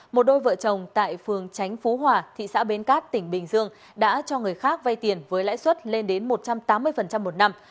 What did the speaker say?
một đôi vợ chồng tại phường tránh phú hòa thị xã bến cát tỉnh bình dương đã cho người khác vay tiền với lãi suất lên đến một trăm tám mươi một năm